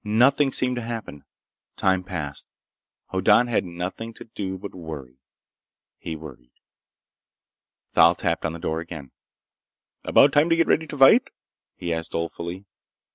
Nothing seemed to happen. Time passed. Hoddan had nothing to do but worry. He worried. Thal tapped on the door again. "About time to get ready to fight?" he asked dolefully.